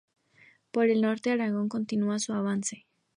Por el norte Aragón continuaba su avance.